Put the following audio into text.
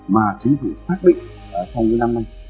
mà chính phủ xác định trong năm nay